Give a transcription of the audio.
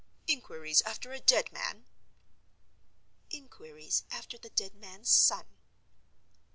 "Inquiries after a dead man?" "Inquiries after the dead man's son."